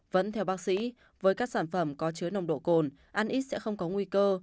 vẫn theo bác sĩ với các sản phẩm có chứa nồng độ cồn ăn ít sẽ không có nguy cơ